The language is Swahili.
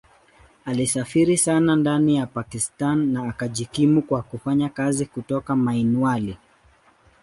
Alisafiri sana ndani ya Pakistan na akajikimu kwa kufanya kazi kutoka Mianwali.